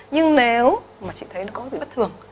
nhưng nếu mà chị thấy nó có gì bất thường